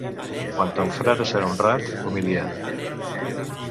Quan ton frare serà honrat, humilia't.